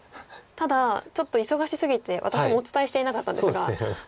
ただちょっと忙しすぎて私もお伝えしていなかったんですが。